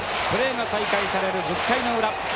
プレーが再開される１０回の裏。